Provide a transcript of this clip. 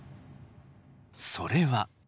それは。